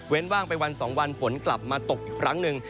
ว่างไปวัน๒วันฝนกลับมาตกอีกครั้งหนึ่ง